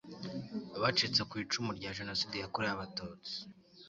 abcitse ku icumu rya jenoside yakorewe abatutsi